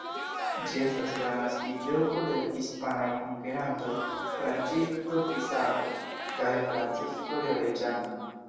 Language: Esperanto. Ĝi estas la naskiĝloko de la hispanaj konkerantoj Francisco Pizarro kaj Francisco de Orellana.